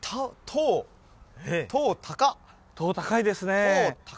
塔高いですね